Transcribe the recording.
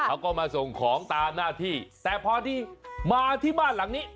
เขาก็มาส่งของตามหน้าที่แต่พอที่มาที่บ้านหลังนี้